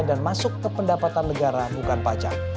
dan masuk ke pendapatan negara bukan pajak